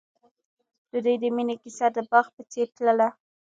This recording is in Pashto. د دوی د مینې کیسه د باغ په څېر تلله.